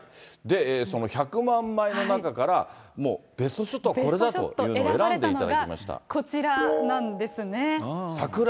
その１００万枚の中から、もうベストショットはこれだというものを。